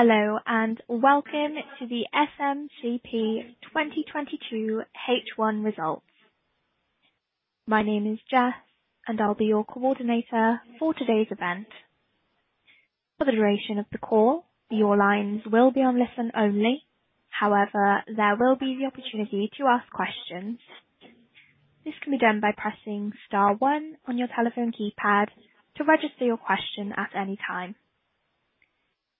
Hello, and welcome to the SMCP 2022 H1 results. My name is Jess, and I'll be your coordinator for today's event. For the duration of the call, your lines will be on listen only. However, there will be the opportunity to ask questions. This can be done by pressing star one on your telephone keypad to register your question at any time.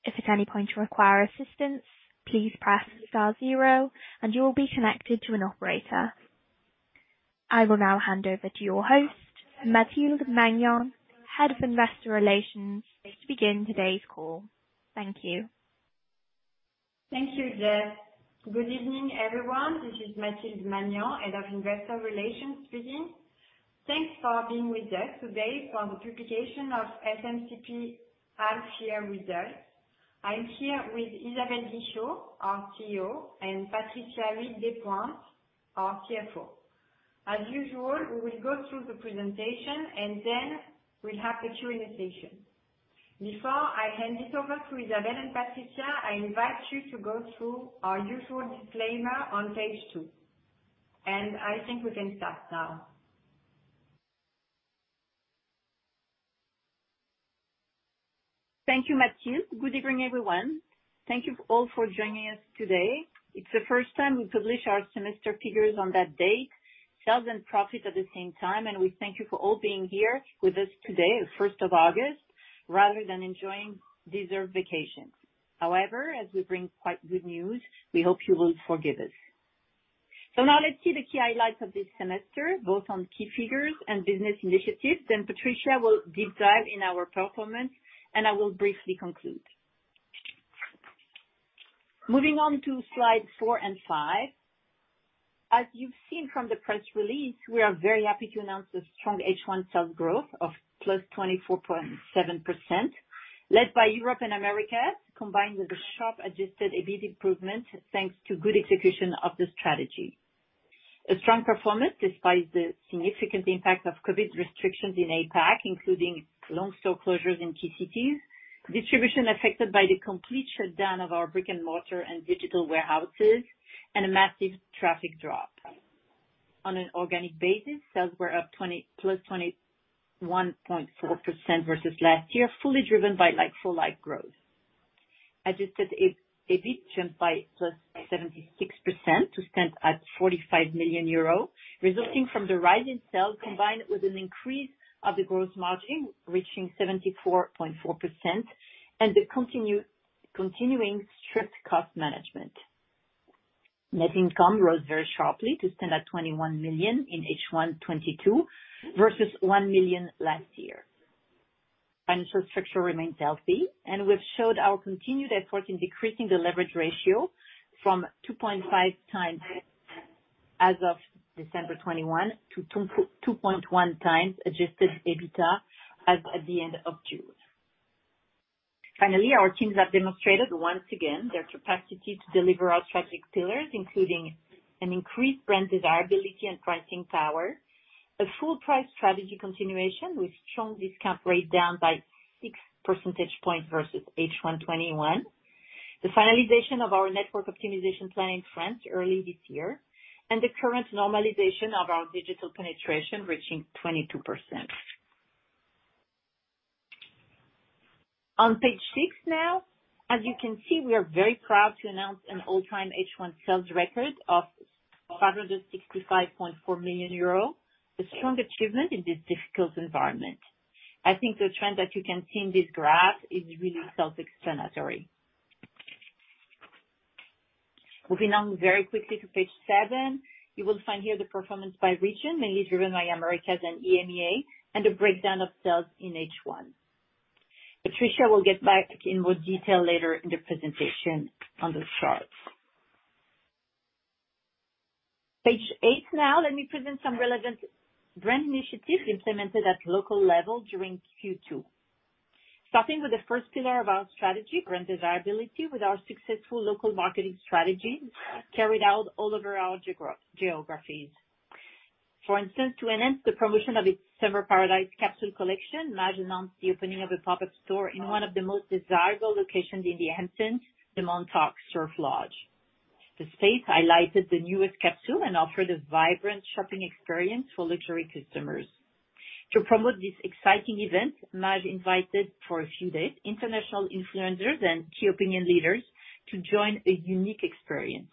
If at any point you require assistance, please press star zero and you will be connected to an operator. I will now hand over to your host, Mathilde Magnan, Head of Investor Relations, to begin today's call. Thank you. Thank you, Jess. Good evening, everyone. This is Mathilde Magnan, Head of Investor Relations speaking. Thanks for being with us today for the publication of SMCP half year results. I'm here with Isabelle Guichot, our CEO, and Patricia Huyghues Despointes, our CFO. As usual, we will go through the presentation, and then we'll have the Q&A session. Before I hand it over to Isabelle and Patricia, I invite you to go through our usual disclaimer on page two. I think we can start now. Thank you, Mathilde. Good evening, everyone. Thank you all for joining us today. It's the first time we publish our semester figures on that date, sales and profits at the same time, and we thank you for all being here with us today on first of August, rather than enjoying deserved vacations. However, as we bring quite good news, we hope you will forgive us. Now let's see the key highlights of this semester, both on key figures and business initiatives. Patricia will deep dive in our performance, and I will briefly conclude. Moving on to slide 4 and 5. As you've seen from the press release, we are very happy to announce the strong H1 sales growth of +24.7%, led by Europe and Americas, combined with a sharp Adjusted EBIT improvement, thanks to good execution of the strategy. A strong performance despite the significant impact of COVID restrictions in APAC, including long store closures in key cities, distribution affected by the complete shutdown of our brick and mortar and digital warehouses, and a massive traffic drop. On an organic basis, sales were up plus 21.4% versus last year, fully driven by like-for-like growth. Adjusted EBIT jumped by +76% to stand at 45 million euros, resulting from the rise in sales, combined with an increase of the gross margin, reaching 74.4%, and continuing strict cost management. Net income rose very sharply to stand at 21 million in H1 2022 versus 1 million last year. Financial structure remains healthy, and we've showed our continued effort in decreasing the leverage ratio from 2.5 times as of December 2021 to 2.1 times Adjusted EBITDA as at the end of June. Our teams have demonstrated once again their capacity to deliver our strategic pillars, including an increased brand desirability and pricing power, a full price strategy continuation with strong discount rate down by 6 percentage points versus H1 2021, the finalization of our network optimization plan in France early this year, and the current normalization of our digital penetration reaching 22%. On page 6 now, as you can see, we are very proud to announce an all-time H1 sales record of 565.4 million euro, a strong achievement in this difficult environment. I think the trend that you can see in this graph is really self-explanatory. Moving on very quickly to page seven, you will find here the performance by region, mainly driven by Americas and EMEA, and a breakdown of sales in H1. Patricia will get back in more detail later in the presentation on this chart. Page eight now, let me present some relevant brand initiatives implemented at local level during Q2. Starting with the first pillar of our strategy, brand desirability, with our successful local marketing strategy carried out all over our geographies. For instance, to enhance the promotion of its Summer in Paradise capsule collection, Maje announced the opening of a pop-up store in one of the most desirable locations in the Hamptons, the Montauk Surf Lodge. The space highlighted the newest capsule and offered a vibrant shopping experience for luxury customers. To promote this exciting event, Maje invited, for a few days, international influencers and key opinion leaders to join a unique experience.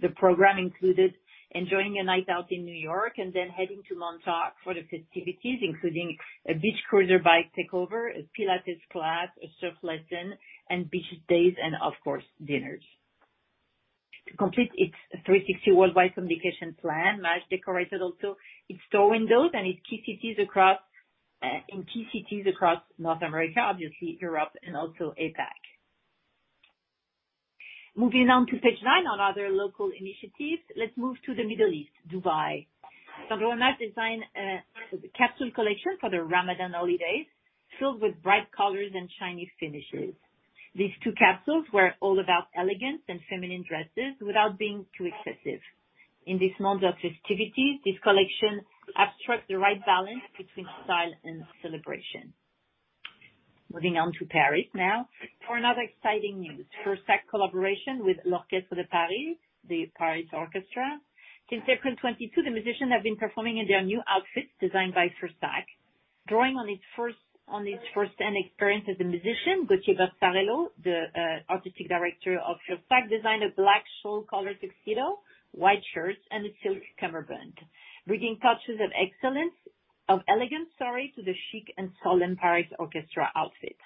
The program included enjoying a night out in New York and then heading to Montauk for the festivities, including a beach cruiser bike takeover, a Pilates class, a surf lesson, and beach days and of course, dinners. To complete its 360 worldwide communication plan, Maje decorated also its store windows and its key cities across, in key cities across North America, obviously Europe and also APAC. Moving on to page nine, on other local initiatives, let's move to the Middle East, Dubai. Sandro and Maje designed a capsule collection for the Ramadan holidays, filled with bright colors and shiny finishes. These two capsules were all about elegance and feminine dresses without being too excessive. In this month of festivities, this collection abstracts the right balance between style and celebration. Moving on to Paris now for another exciting news. Fursac collaboration with Orchestre de Paris, the Paris Orchestra. Since April 2022, the musicians have been performing in their new outfits designed by Fursac. Drawing on its first-hand experience as a musician, Gauthier Borsarello, the artistic director of Fursac, designed a black shawl collar tuxedo, white shirt and a silk cummerbund, bringing touches of elegance to the chic and solemn Paris Orchestra outfit.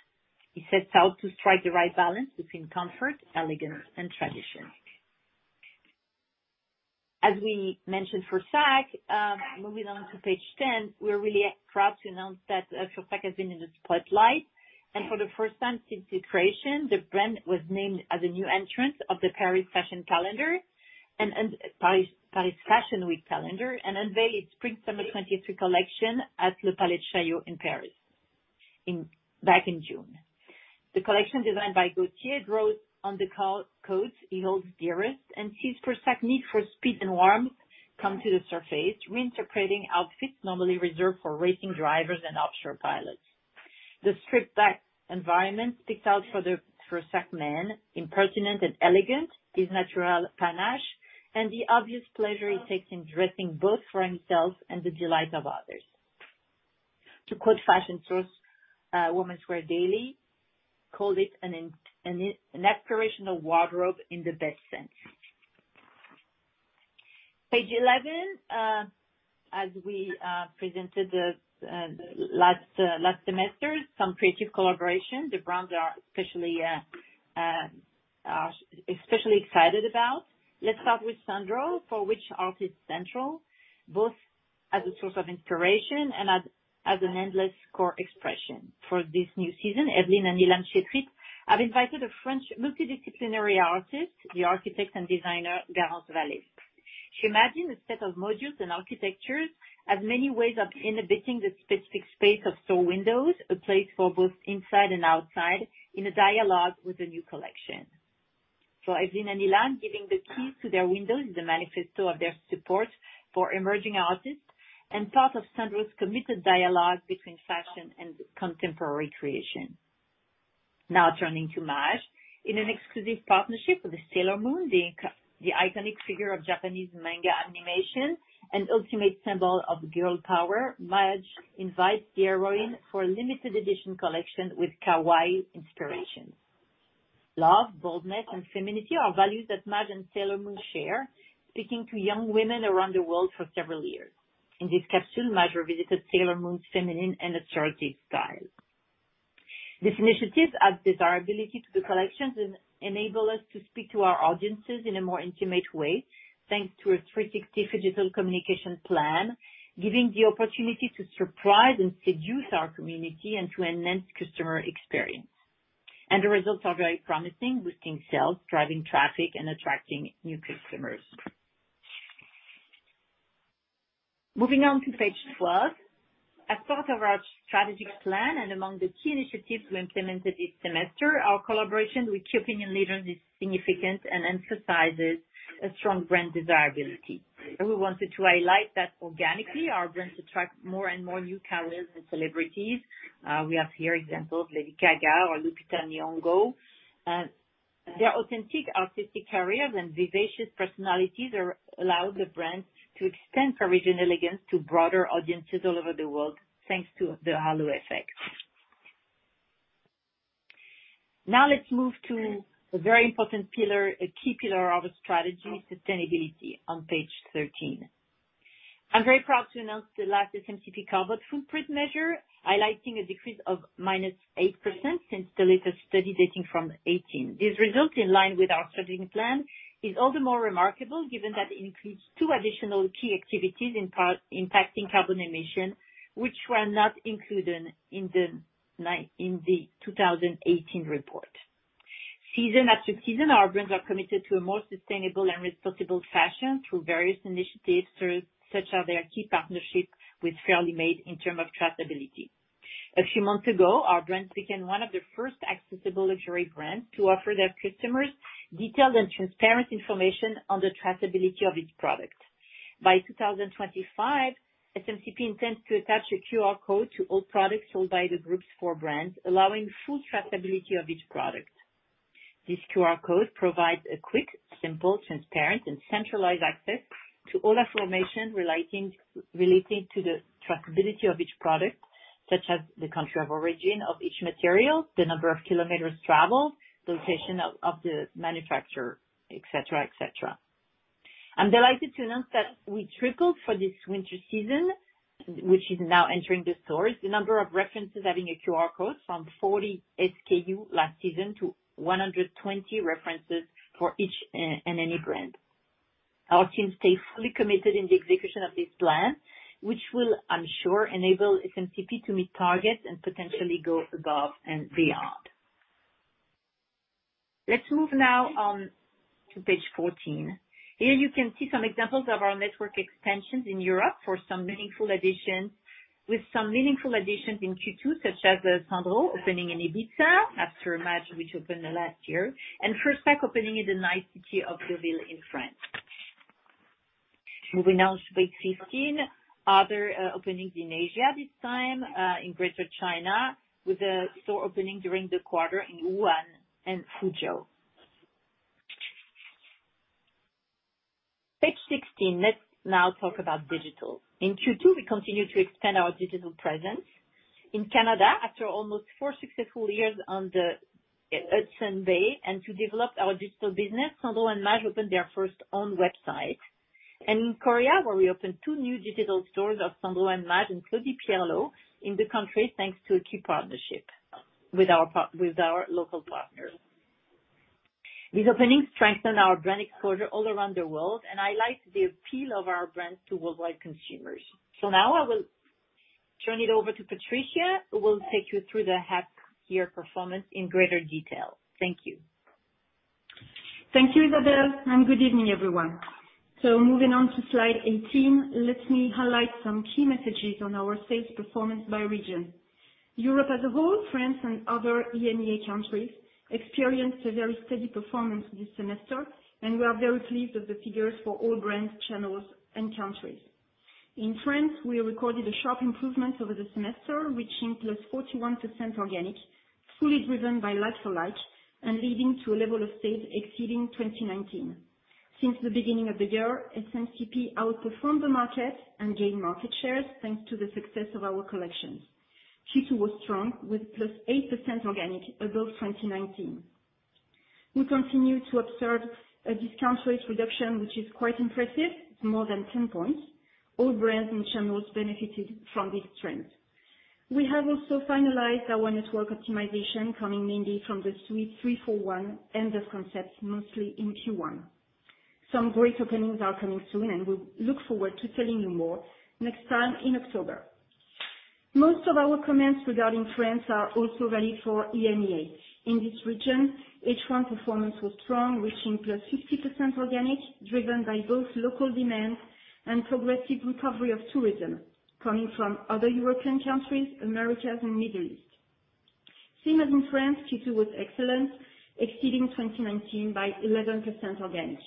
He sets out to strike the right balance between comfort, elegance and tradition. As we mentioned, Fursac, moving on to page ten, we're really proud to announce that Fursac has been in the spotlight. For the first time since the creation, the brand was named as a new entrant of the Paris Fashion Week Calendar, and unveiled its spring/summer 2023 collection at the Palais de Chaillot in Paris back in June. The collection designed by Gauthier draws on the core codes he holds dearest and sees Fursac need for speed and warmth come to the surface, reinterpreting outfits normally reserved for racing drivers and offshore pilots. The stripped back environment speaks out for the Fursac man, impertinent and elegant, his natural panache, and the obvious pleasure he takes in dressing both for himself and the delight of others. To quote fashion source, Women's Wear Daily called it an aspirational wardrobe in the best sense. Page 11. As we presented the last semester, some creative collaboration the brands are especially excited about. Let's start with Sandro, for which art is central, both as a source of inspiration and as an endless core expression. For this new season, Evelyne and Ilan Chetrite have invited a French multidisciplinary artist, the architect and designer Garance Vallée. She imagined a set of modules and architectures as many ways of inhabiting the specific space of store windows, a place for both inside and outside, in a dialogue with the new collection. For Evelyne and Ilan, giving the keys to their windows is a manifesto of their support for emerging artists, and part of Sandro's committed dialogue between fashion and contemporary creation. Now turning to Maje. In an exclusive partnership with Sailor Moon, the iconic figure of Japanese manga animation and ultimate symbol of girl power, Maje invites the heroine for a limited edition collection with kawaii inspirations. Love, boldness, and femininity are values that Maje and Sailor Moon share, speaking to young women around the world for several years. In this capsule, Maje revisited Sailor Moon's feminine and authoritative style. This initiative adds desirability to the collections and enable us to speak to our audiences in a more intimate way, thanks to a 360 digital communication plan, giving the opportunity to surprise and seduce our community and to enhance customer experience. The results are very promising, boosting sales, driving traffic, and attracting new customers. Moving on to page 12. As part of our strategic plan and among the key initiatives we implemented this semester, our collaboration with key opinion leaders is significant and emphasizes a strong brand desirability. We wanted to highlight that organically our brands attract more and more new talent and celebrities. We have here examples, Lady Gaga or Lupita Nyong'o. Their authentic artistic careers and vivacious personalities allow the brands to extend Parisian elegance to broader audiences all over the world, thanks to the halo effect. Now let's move to a very important pillar, a key pillar of our strategy, sustainability, on page 13. I'm very proud to announce the latest SMCP carbon footprint measure, highlighting a decrease of -8% since the latest study dating from 2018. This result, in line with our strategic plan, is all the more remarkable given that it includes two additional key activities impacting carbon emissions, which were not included in the 2018 report. Season after season, our brands are committed to a more sustainable and responsible fashion through various initiatives, such as their key partnership with Fairly Made in terms of traceability. A few months ago, our brand became one of the first accessible luxury brands to offer their customers detailed and transparent information on the traceability of each product. By 2025, SMCP intends to attach a QR code to all products sold by the group's four brands, allowing full traceability of each product. This QR code provides a quick, simple, transparent, and centralized access to all information relating to the traceability of each product, such as the country of origin of each material, the number of kilometers traveled, location of the manufacturer, et cetera. I'm delighted to announce that we tripled for this winter season, which is now entering the stores, the number of references having a QR code from 40 SKU last season to 120 references for each DNA brand. Our team stays fully committed in the execution of this plan, which will, I'm sure, enable SMCP to meet targets and potentially go above and beyond. Let's move now to page fourteen. Here you can see some examples of our network extensions in Europe for some meaningful additions in Q2, such as the Sandro opening in Ibiza after Maje, which opened last year, and Fursac opening in the nice city of Deauville in France. Moving now to page 15, other openings in Asia, this time in Greater China, with a store opening during the quarter in Wuhan and Fuzhou. Page 16, let's now talk about digital. In Q2, we continued to extend our digital presence. In Canada, after almost four successful years on the Hudson's Bay and to develop our digital business, Sandro and Maje opened their first own website. In Korea, where we opened two new digital stores of Sandro and Maje, including PLO, in the country, thanks to a key partnership with our local partners. These openings strengthen our brand exposure all around the world, and highlight the appeal of our brand to worldwide consumers. Now I will turn it over to Patricia, who will take you through the half year performance in greater detail. Thank you. Thank you, Isabelle, and good evening, everyone. Moving on to slide 18, let me highlight some key messages on our sales performance by region. Europe as a whole, France and other EMEA countries, experienced a very steady performance this semester, and we are very pleased with the figures for all brands, channels and countries. In France, we recorded a sharp improvement over the semester, reaching +41% organic, fully driven by like-for-like, and leading to a level of sales exceeding 2019. Since the beginning of the year, SMCP outperformed the market and gained market shares thanks to the success of our collections. Q2 was strong, with +8% organic above 2019. We continue to observe a discount rate reduction, which is quite impressive, more than 10 points. All brands and channels benefited from this trend. We have also finalized our network optimization coming mainly from the Suite 341 end of concept, mostly in Q1. Some great openings are coming soon, and we look forward to telling you more next time in October. Most of our comments regarding France are also valid for EMEA. In this region, H1 performance was strong, reaching +50% organic, driven by both local demands and progressive recovery of tourism coming from other European countries, Americas and Middle East. Same as in France, Q2 was excellent, exceeding 2019 by 11% organic,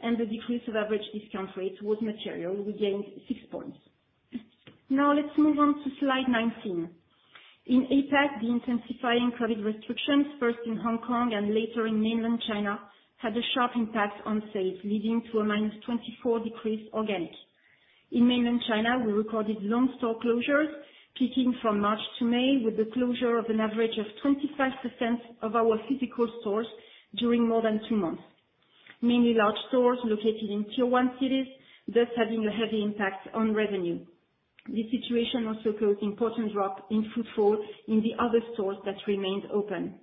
and the decrease of average discount rate was material. We gained six points. Now let's move on to slide 19. In APAC, the intensifying COVID restrictions, first in Hong Kong and later in Mainland China, had a sharp impact on sales, leading to a -24% decrease organic. In Mainland China, we recorded long store closures, peaking from March to May, with the closure of an average of 25% of our physical stores during more than two months, mainly large stores located in Tier 1 cities, thus having a heavy impact on revenue. This situation also caused important drop in footfall in the other stores that remained open.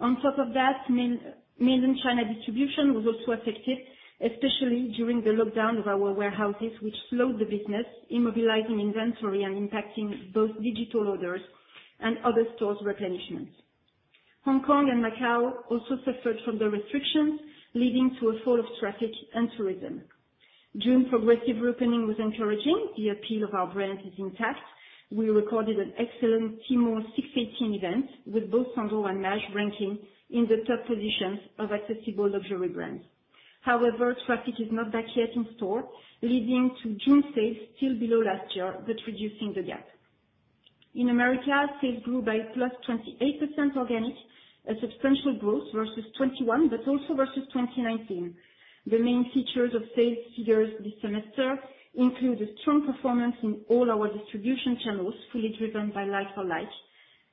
On top of that, Mainland China distribution was also affected, especially during the lockdown of our warehouses, which slowed the business, immobilizing inventory and impacting both digital orders and other stores' replenishments. Hong Kong and Macau also suffered from the restrictions, leading to a fall of traffic and tourism. June progressive reopening was encouraging. The appeal of our brand is intact. We recorded an excellent Tmall 618 event with both Sandro and Maje ranking in the top positions of accessible luxury brands. However, traffic is not back yet in store, leading to June sales still below last year, but reducing the gap. In America, sales grew by +28% organic, a substantial growth versus 2021, but also versus 2019. The main features of sales figures this semester include a strong performance in all our distribution channels, fully driven by like-for-like,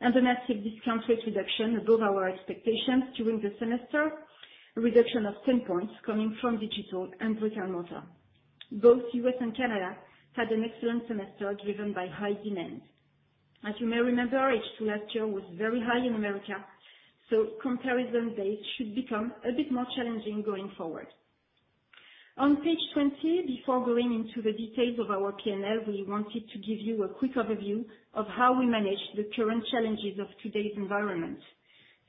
and a massive discount rate reduction above our expectations during the semester, a reduction of 10 points coming from digital and brick-and-mortar. Both U.S. and Canada had an excellent semester driven by high demand. As you may remember, H2 last year was very high in America, so comparison base should become a bit more challenging going forward. On page 20, before going into the details of our P&L, we wanted to give you a quick overview of how we manage the current challenges of today's environment.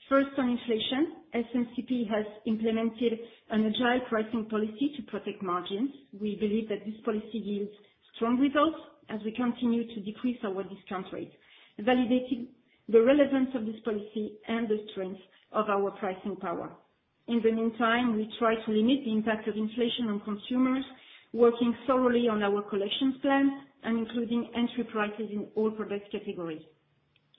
First, on inflation, SMCP has implemented an agile pricing policy to protect margins. We believe that this policy yields strong results as we continue to decrease our discount rate, validating the relevance of this policy and the strength of our pricing power. In the meantime, we try to limit the impact of inflation on consumers, working thoroughly on our collections plan and including entry prices in all product categories.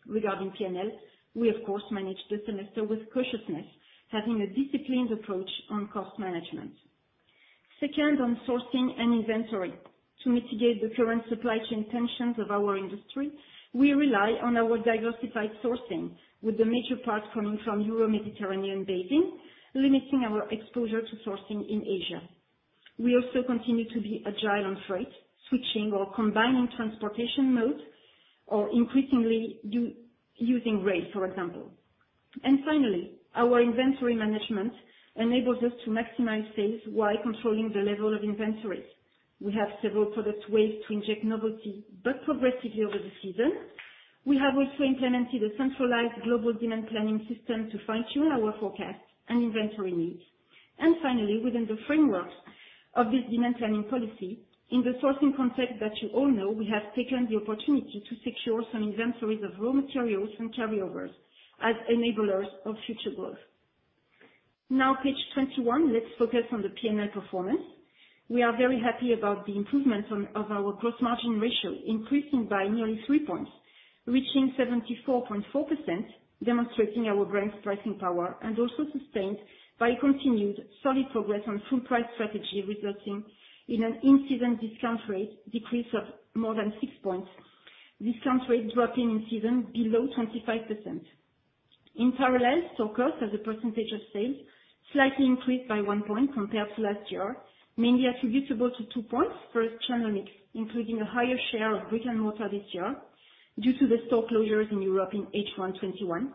Regarding P&L, we of course managed the semester with cautiousness, having a disciplined approach on cost management. Second on sourcing and inventory. To mitigate the current supply chain tensions of our industry, we rely on our diversified sourcing, with the major parts coming from Euro-Mediterranean basin, limiting our exposure to sourcing in Asia. We also continue to be agile on freight, switching or combining transportation modes or increasingly using rail, for example. Finally, our inventory management enables us to maximize sales while controlling the level of inventories. We have several product ways to inject novelty, but progressively over the season. We have also implemented a centralized global demand planning system to fine-tune our forecast and inventory needs. Finally, within the framework of this demand planning policy, in the sourcing context that you all know, we have taken the opportunity to secure some inventories of raw materials and carryovers as enablers of future growth. Now, page 21, let's focus on the P&L performance. We are very happy about the improvements in our gross margin ratio, increasing by nearly three points, reaching 74.4%, demonstrating our brand's pricing power, and also sustained by continued solid progress on full price strategy, resulting in an in-season discount rate decrease of more than six points. Discount rate dropping in season below 25%. In parallel, stock costs as a percentage of sales slightly increased by 1 point compared to last year, mainly attributable to two points. First, channel mix, including a higher share of brick-and-mortar this year due to the store closures in Europe in H1 2021.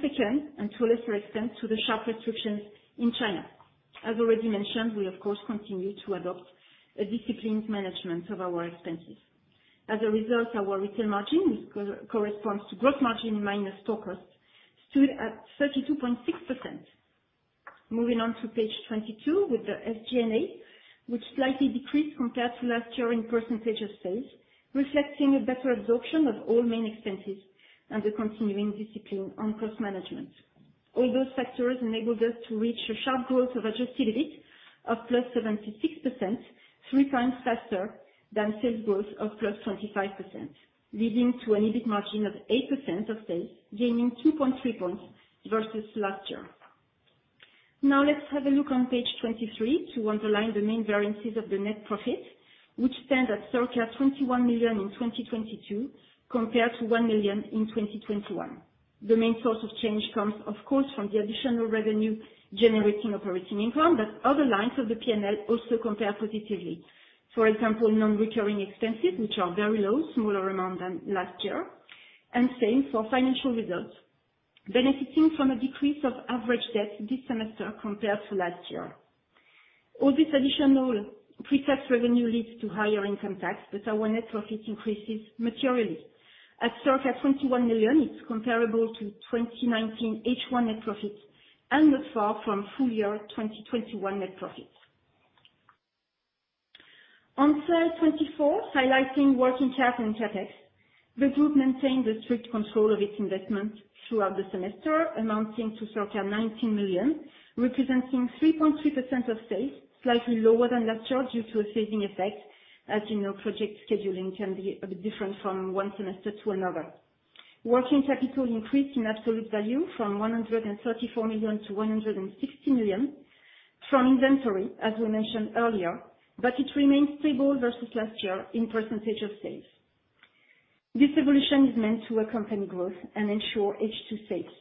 Second, and to a lesser extent, to the sharp restrictions in China. As already mentioned, we of course continue to adopt a disciplined management of our expenses. As a result, our retail margin, which corresponds to gross margin minus stock costs, stood at 32.6%. Moving on to page 22 with the SG&A, which slightly decreased compared to last year in percentage of sales, reflecting a better absorption of all main expenses and the continuing discipline on cost management. All those factors enabled us to reach a sharp growth of Adjusted EBIT of +76%, three times faster than sales growth of +25%, leading to an EBIT margin of 8% of sales, gaining 2.3 points versus last year. Now let's have a look on page 23 to underline the main variances of the net profit, which stand at circa 21 million in 2022 compared to 1 million in 2021. The main source of change comes, of course, from the additional revenue generating operating income, but other lines of the P&L also compare positively. For example, non-recurring expenses, which are very low, smaller amount than last year, and same for financial results, benefiting from a decrease of average debt this semester compared to last year. All this additional pre-tax revenue leads to higher income tax, but our net profit increases materially. At circa 21 million, it's comparable to 2019 H1 net profits, and not far from full year 2021 net profits. On slide 24, highlighting working capital and CapEx. The group maintained a strict control of its investments throughout the semester, amounting to circa 19 million, representing 3.3% of sales, slightly lower than last year due to a saving effect. As you know, project scheduling can be a bit different from one semester to another. Working capital increased in absolute value from 134 million to 160 million from inventory, as we mentioned earlier, but it remains stable versus last year in percentage of sales. This evolution is meant to accompany growth and ensure H2 sales.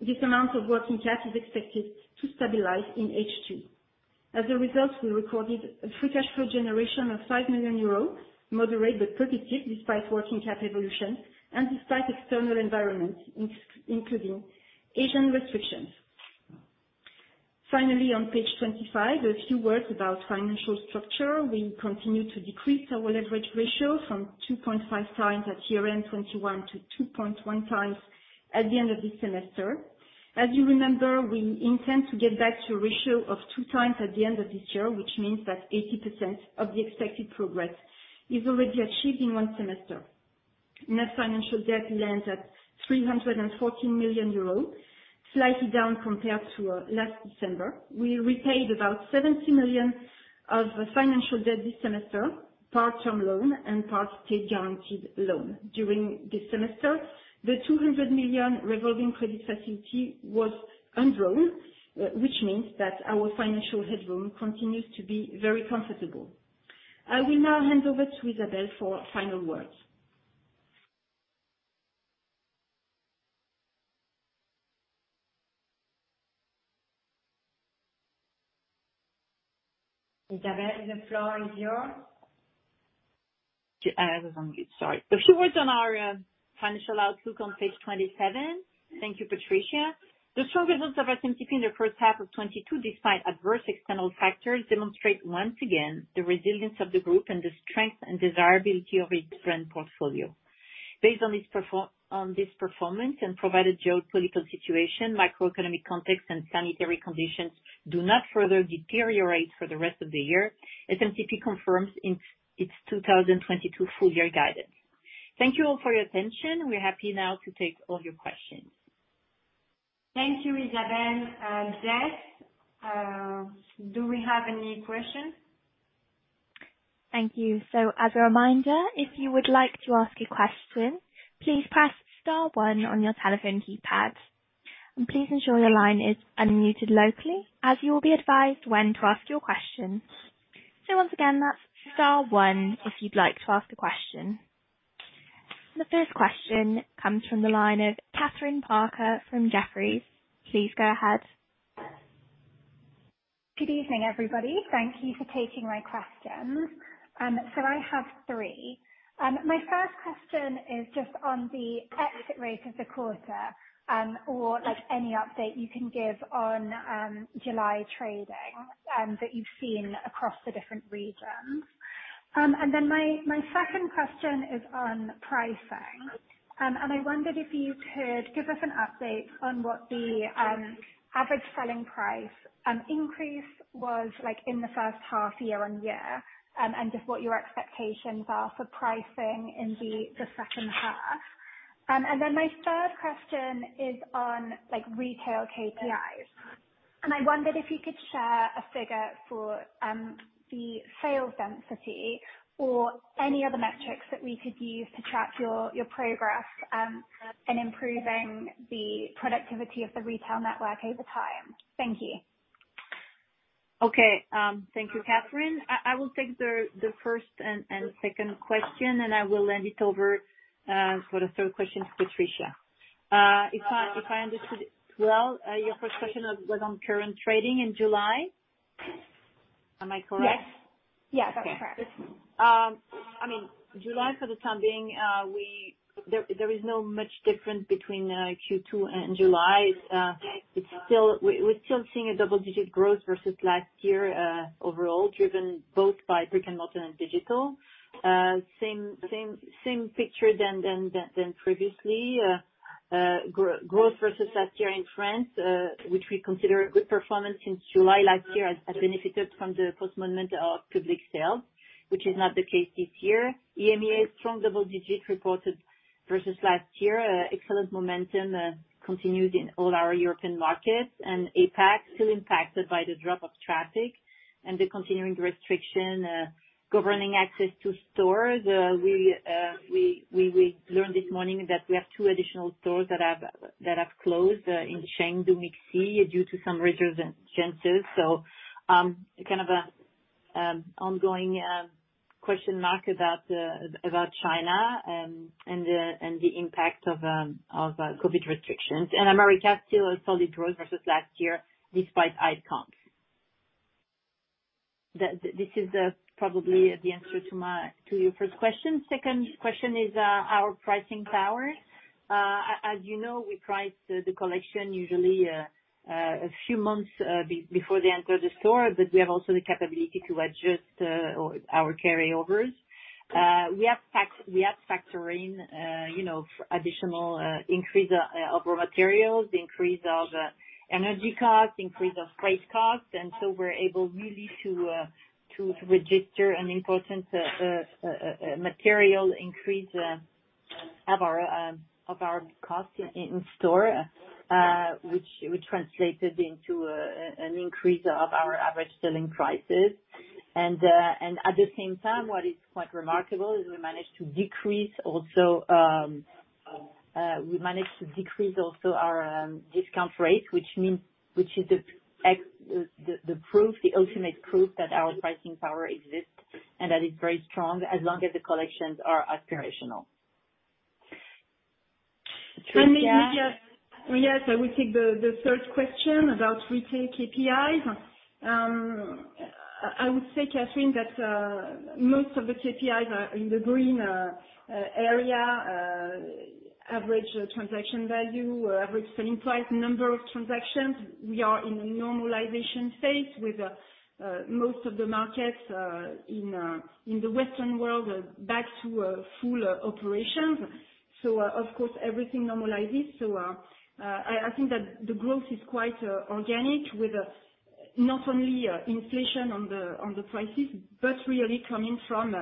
This amount of working cap is expected to stabilize in H2. As a result, we recorded a free cash flow generation of 5 million euros, moderate but positive despite working cap evolution and despite external environment, including Asian restrictions. Finally, on page 25, a few words about financial structure. We continue to decrease our leverage ratio from 2.5 times at year-end 2021, to 2.1 times at the end of this semester. As you remember, we intend to get back to a ratio of 2 times at the end of this year, which means that 80% of the expected progress is already achieved in one semester. Net financial debt lands at 314 million euros, slightly down compared to last December. We repaid about 70 million of financial debt this semester, part term loan and part state-guaranteed loan. During this semester, the 200 million revolving credit facility was undrawn, which means that our financial headroom continues to be very comfortable. I will now hand over to Isabelle for final words. Isabelle, the floor is yours. Yeah, I was on mute. Sorry. A few words on our financial outlook on page 27. Thank you, Patricia. The strong results of SMCP in the first half of 2022 despite adverse external factors demonstrate once again the resilience of the group and the strength and desirability of its brand portfolio. Based on this performance, provided geopolitical situation, macroeconomic context and sanitary conditions do not further deteriorate for the rest of the year, SMCP confirms its 2022 full year guidance. Thank you all for your attention. We're happy now to take all of your questions. Thank you, Isabelle and Jess. Do we have any questions? Thank you. As a reminder, if you would like to ask a question, please press star one on your telephone keypad. Please ensure your line is unmuted locally as you will be advised when to ask your question. Once again, that's star one if you'd like to ask a question. The first question comes from the line of Catherine Parker from Jefferies. Please go ahead. Good evening, everybody. Thank you for taking my questions. I have three. My first question is just on the exit rate of the quarter, or like any update you can give on July trading that you've seen across the different regions. My second question is on pricing. I wondered if you could give us an update on what the average selling price increase was like in the first half year-on-year, and just what your expectations are for pricing in the second half. My third question is on like retail KPIs. I wondered if you could share a figure for the sales density or any other metrics that we could use to track your progress in improving the productivity of the retail network over time. Thank you. Okay. Thank you, Catherine. I will take the first and second question, and I will hand it over for the third question to Patricia. If I understood well, your first question was on current trading in July. Am I correct? Yes. Yeah, that's correct. I mean, July for the time being, there is not much difference between Q2 and July. We're still seeing a double-digit growth versus last year, overall, driven both by brick and mortar and digital. Same picture than previously. Growth versus last year in France, which we consider a good performance since July last year has benefited from the postponement of public sales, which is not the case this year. EMEA is strong double digits reported versus last year. Excellent momentum continued in all our European markets. APAC still impacted by the drop of traffic and the continuing restriction governing access to stores. We learned this morning that we have two additional stores that have closed in Chengdu MixC due to some restrictions. Kind of an ongoing question mark about China and the impact of COVID restrictions. America still a solid growth versus last year despite Omicron. This is probably the answer to your first question. Second question is our pricing power. As you know, we price the collection usually a few months before they enter the store, but we have also the capability to adjust our carryovers. We are factoring, you know, additional increase of raw materials, increase of energy costs, increase of freight costs, and so we're able really to register an important material increase of our costs in store, which translated into an increase of our average selling prices. At the same time, what is quite remarkable is we managed to decrease also our discount rate, which means, which is the proof, the ultimate proof that our pricing power exists and that it's very strong as long as the collections are aspirational. Thank you. Patricia? Yes, I will take the third question about retail KPIs. I would say, Catherine, that most of the KPIs are in the green area. Average transaction value, average selling price, number of transactions. We are in a normalization phase with most of the markets in the Western world back to a fuller operations. Of course, everything normalizes. I think that the growth is quite organic with not only inflation on the prices, but really coming from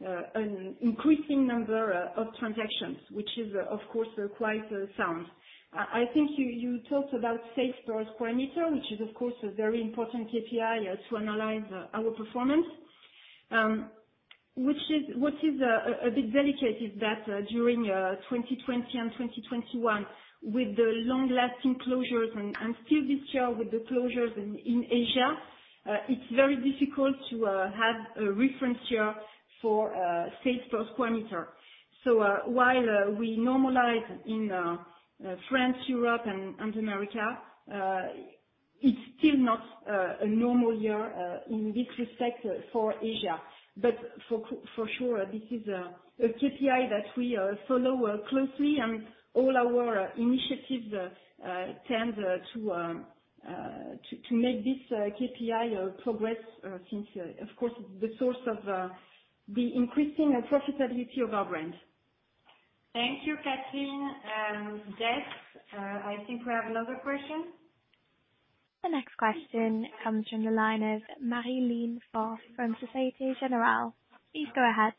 an increasing number of transactions, which is of course quite sound. I think you talked about sales per square meter, which is of course a very important KPI to analyze our performance. Which is a bit delicate is that during 2020 and 2021, with the long-lasting closures and still this year with the closures in Asia, it's very difficult to have a reference year for sales per square meter. While we normalize in France, Europe and America, it's still not a normal year in this respect for Asia. For sure, this is a KPI that we follow closely and all our initiatives tend to make this KPI progress, since, of course, it's the source of the increasing profitability of our brand. Thank you, Catherine. Yes. I think we have another question. The next question comes from the line of Marie-Line Mengue from Société Générale. Please go ahead.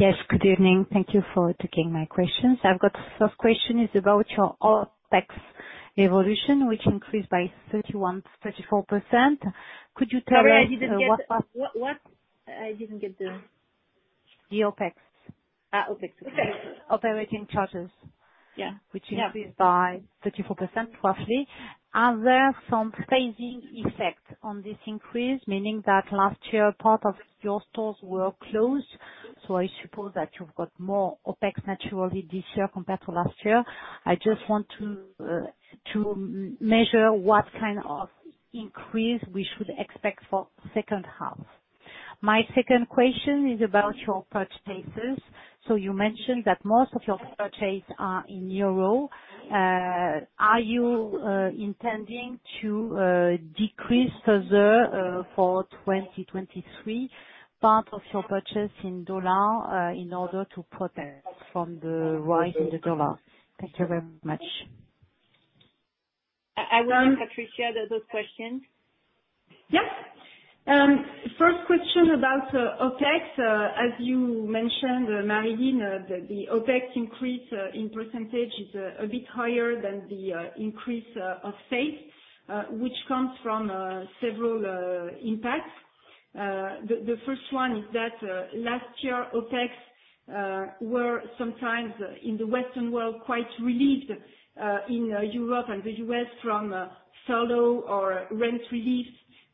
Yes. Good evening. Thank you for taking my questions. I've got First question is about your OpEx evolution, which increased by 31, 34%. Could you tell us what- Sorry, I didn't get what? The OpEx. OpEx. Okay. Operating charges. Yeah. Which increased by 34% roughly. Are there some phasing effect on this increase, meaning that last year part of your stores were closed, so I suppose that you've got more OpEx naturally this year compared to last year. I just want to measure what kind of increase we should expect for second half. My second question is about your purchases. You mentioned that most of your purchase are in euro. Are you intending to decrease those for 2023? Part of your purchase in dollar in order to protect from the rise in the dollar. Thank you very much. Anne, Patricia, the other question. Yes. First question about OpEx. As you mentioned, Marie, the OpEx increase in percentage is a bit higher than the increase of sales, which comes from several impacts. The first one is that last year OpEx were sometimes in the Western world quite relieved in Europe and the US from store closure or rent relief.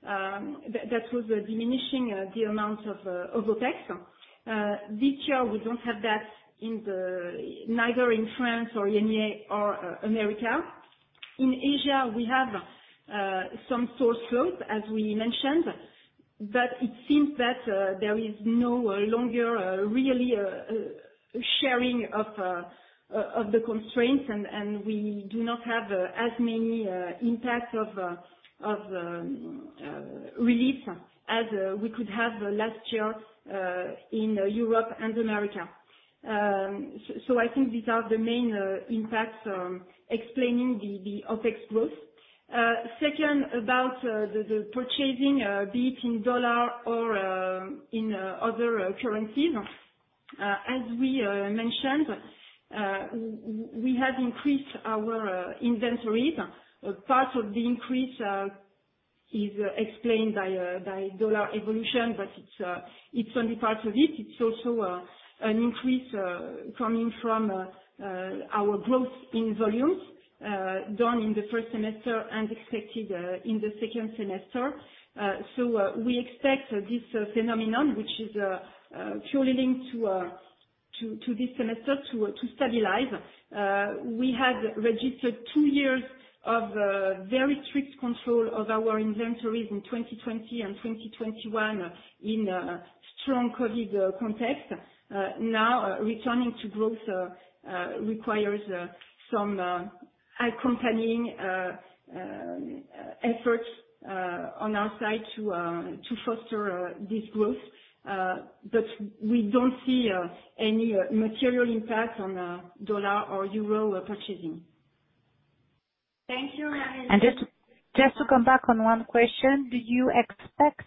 That was diminishing the amount of OpEx. This year we don't have that neither in France or EMEA or America. In Asia, we have some store slowdown, as we mentioned, but it seems that there is no longer really suffering from the constraints and we do not have as many impacts of relief as we could have last year in Europe and America. I think these are the main impacts explaining the OpEx growth. Second, about the purchasing, be it in dollar or in other currencies. As we mentioned, we have increased our inventories. Part of the increase is explained by dollar evolution, but it's only part of it. It's also an increase coming from our growth in volumes done in the first semester and expected in the second semester. We expect this phenomenon, which is purely linked to this semester to stabilize. We had registered two years of very strict control of our inventories in 2020 and 2021 in a strong COVID context. Now returning to growth requires some accompanying effort on our side to foster this growth. But we don't see any material impact on dollar or euro purchasing. Thank you, Marie. Just to come back on one question. Do you expect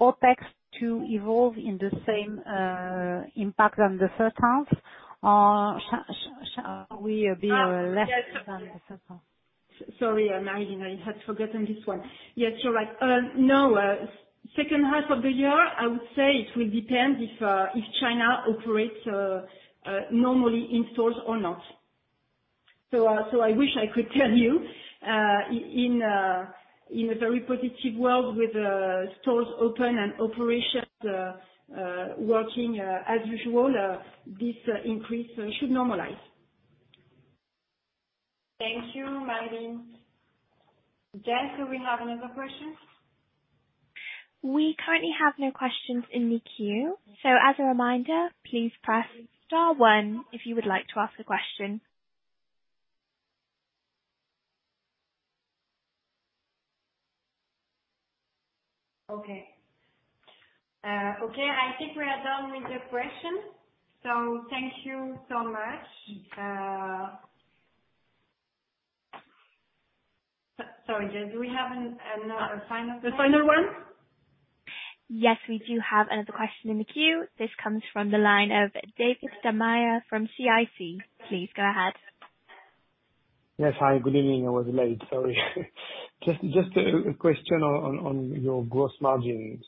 OpEx to evolve in the same impact on the second half or shall we be less than the second half? Sorry, Marie, I had forgotten this one. Yes, you're right. No, second half of the year, I would say it will depend if China operates normally in stores or not. I wish I could tell you, in a very positive world with stores open and operations working as usual, this increase should normalize. Thank you, Marie. Jess, do we have another question? We currently have no questions in the queue. As a reminder, please press star one if you would like to ask a question. Okay. Okay, I think we are done with the questions. Thank you so much, sorry, Jess, do we have another final one? The final one. Yes, we do have another question in the queue. This comes from the line of David Da Maia from CIC. Please go ahead. Yes. Hi, good evening. I was late. Sorry. Just a question on your gross margins.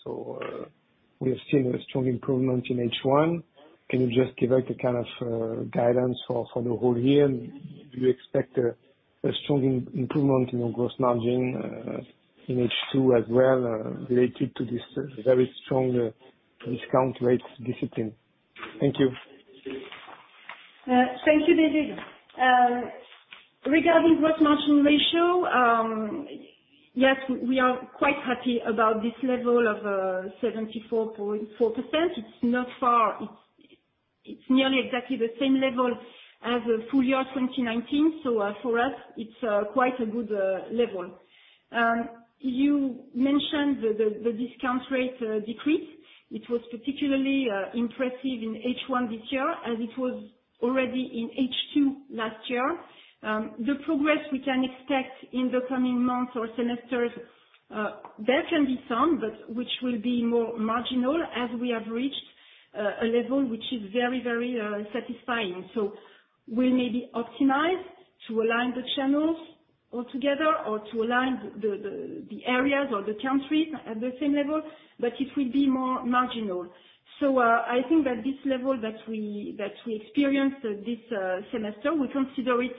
We have seen a strong improvement in H1. Can you just give us a kind of guidance for the whole year? Do you expect a strong improvement in your gross margin in H2 as well, related to this very strong discount rate discipline? Thank you. Thank you, David. Regarding gross margin ratio, yes, we are quite happy about this level of 74.4%. It's not far. It's nearly exactly the same level as of full year 2019. For us it's quite a good level. You mentioned the discount rate decrease. It was particularly impressive in H1 this year, as it was already in H2 last year. The progress we can expect in the coming months or semesters, there can be some, but which will be more marginal as we have reached a level which is very, very satisfying. We may be optimized to align the channels altogether or to align the areas or the countries at the same level, but it will be more marginal. I think that this level that we experienced this semester, we consider it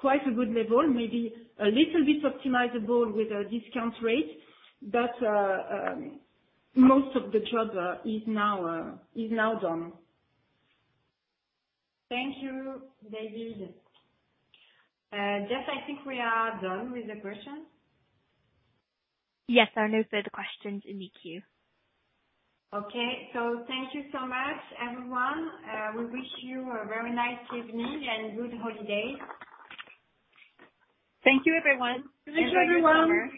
quite a good level, maybe a little bit optimizable with a discount rate. Most of the job is now done. Thank you, David. Jess, I think we are done with the questions. Yes, there are no further questions in the queue. Okay. Thank you so much, everyone. We wish you a very nice evening and good holidays. Thank you, everyone. Thank you, everyone.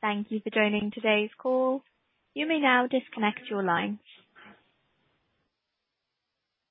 Thank you for joining today's call. You may now disconnect your line.